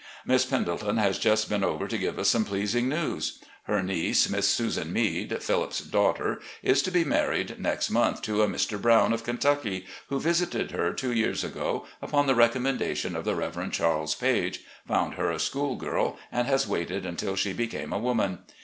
Miss Pendleton has just been over to give us some pleasing news. Her niece. Miss Susan Meade, Philip's daughter, is to be married next month to a Mr. Brown, of Kentucky, who visited her two years ago upon the recommendation of the Reverend Qiarles Page, found her a school girl, and has waited until she became a woman.